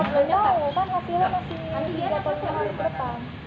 tidak kan hasilnya masih tiga atau lima hari ke depan